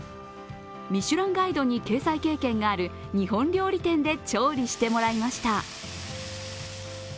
「ミシュランガイド」に掲載経験のある日本料理店で調理してもらいました。